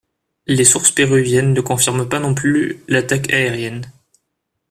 Les sources péruviennes ne confirment pas non plus l'attaque aérienne.